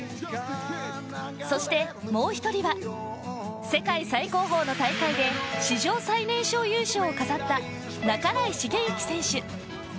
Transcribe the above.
そしてもう一人は世界最高峰の大会で史上最年少優勝を飾った半井重幸選手